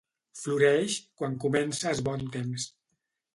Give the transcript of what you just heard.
Floreix quan comença es bon temps